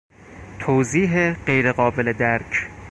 توضیح غیر قابل درک